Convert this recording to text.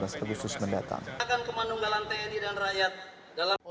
akan kemandunggalan tni dan rakyat dalam